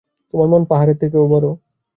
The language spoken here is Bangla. তোমার মন পাহাড়ের থেকেও বড়।